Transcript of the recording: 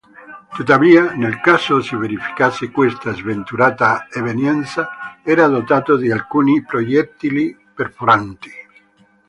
Tuttavia, nel caso si verificasse questa sventurata evenienza, era dotato di alcuni proiettili perforanti.